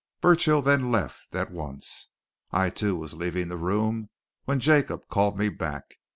Burchill then left at once. I, too, was leaving the room when Jacob called me back.